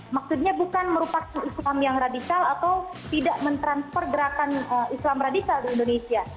maksudnya bukan merupakan islam yang radikal atau tidak mentransfer gerakan islam radikal di indonesia